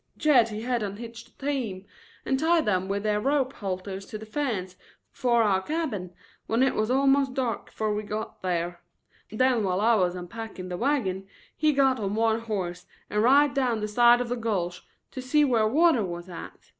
"Jed he had unhitched the team and tied them with their rope halters to the fence 'fore our cabin, when it was almost dark 'fore we got thar. Then while I was unpacking the wagon he got on one horse and rid down the side of the gulch to see whar water was at.